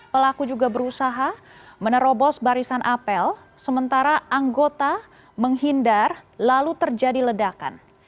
pelaku juga berusaha menerobos barisan apel sementara anggota menghindar lalu terjadi ledakan